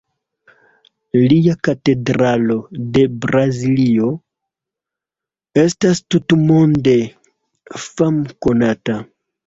Lia Katedralo de Braziljo estas tutmonde famkonata.